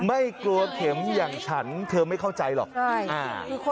ไม่กลัวเข็มอย่างฉันเธอไม่เข้าใจหรอก